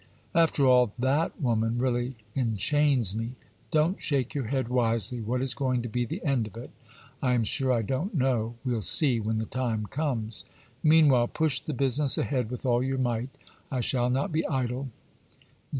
'After all, that woman really enchains me. Don't shake your head wisely. "What is going to be the end of it?" I am sure I don't know; we'll see when the time comes. 'Meanwhile, push the business ahead with all your might. I shall not be idle.